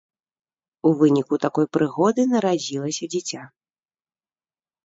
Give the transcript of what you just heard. У выніку такой прыгоды нарадзілася дзіця.